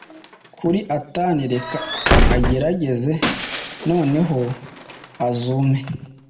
Kuri atani reka agerageze noneho auzume